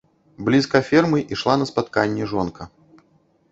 Блізка фермы ішла на спатканне жонка.